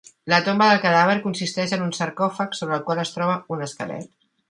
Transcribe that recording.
La tomba del cadàver consisteix en un sarcòfag sobre el qual es troba un esquelet.